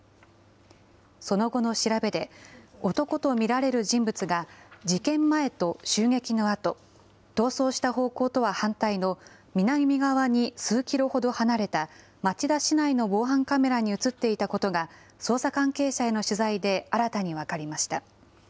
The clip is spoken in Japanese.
その後の調べで、男と見られる人物が事件前と襲撃のあと、逃走した方向とは反対の、南側に数キロほど離れた、町田市内の防犯カメラに写っていたことが、捜査関係者への取材で新たに分かりました。